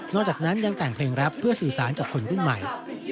จากนั้นยังแต่งเพลงแรปเพื่อสื่อสารกับคนรุ่นใหม่